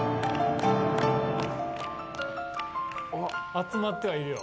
集まってはいるよ。